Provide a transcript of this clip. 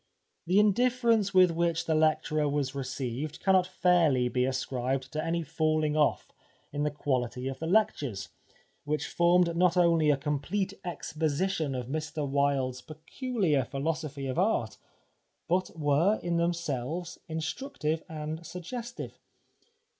The indifference with which the lecturer was received cannot fairly be ascribed to any falling off in the quality of the lectures, which formed not only a complete exposition of Mr Wilde's peculiar philosophy of art, but were in themselves instructive and suggestive.